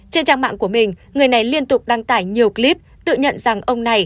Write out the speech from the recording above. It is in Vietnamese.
trên trang mạng của mình người này liên tục đăng tải nhiều clip tự nhận rằng ông này